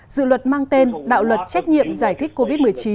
dự luật mang tên đạo luật trách nhiệm giải thích covid một mươi chín